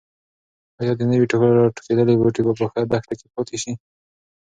ایا د نوي راټوکېدلي بوټي به په دښته کې پاتې شي؟